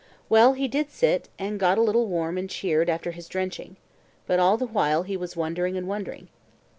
Well, he did sit, and got a little warm and cheered after his drenching. But all the while he was wondering and wondering.